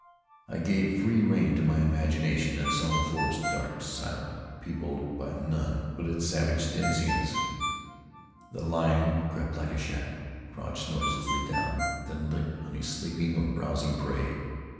I gave free rein to my imagination and saw the forest dark, silent, peopled by none but its savage denizens, The lion crept like a shadow, crouched noiselessly down, then leaped on his sleeping or browsing prey.